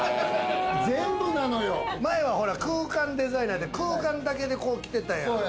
前はほら、空間デザイナーで空間だけでこうきてたやん。